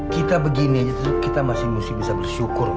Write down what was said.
kita begini aja terus kita masih mesti bisa bersyukur ma